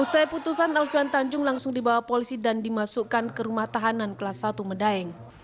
usai putusan alfian tanjung langsung dibawa polisi dan dimasukkan ke rumah tahanan kelas satu medaeng